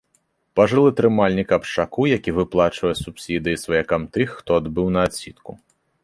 Пажылы трымальнік абшчаку, які выплачвае субсідыі сваякам тых, хто адбыў на адсідку.